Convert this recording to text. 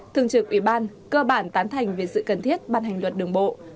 thường trực ủy ban cơ bản tán thành về sự cần thiết ban hành luật đường bộ